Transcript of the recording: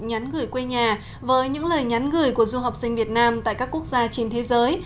nhắn gửi quê nhà với những lời nhắn gửi của du học sinh việt nam tại các quốc gia trên thế giới